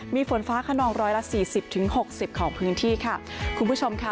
มีฝนฟ้าขนองร้อยละสี่สิบถึงหกสิบของพื้นที่ค่ะคุณผู้ชมค่ะ